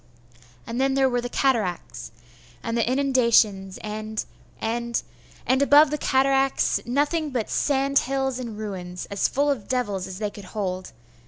And then there were the cataracts, and the inundations and and and above the cataracts, nothing but sand hills and ruins, as full of devils as they could hold....